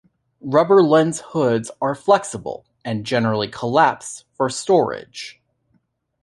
Rubber lens hoods are flexible and generally collapse for storage.